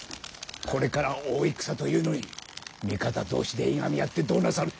これから大戦というのに味方同士でいがみ合ってどうなさる。